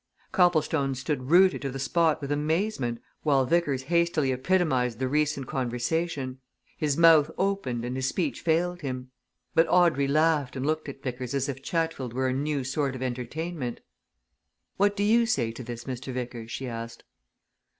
Copplestone stood rooted to the spot with amazement while Vickers hastily epitomized the recent conversation; his mouth opened and his speech failed him. But Audrey laughed and looked at Vickers as if Chatfield were a new sort of entertainment. "What do you say to this, Mr. Vickers?" she asked.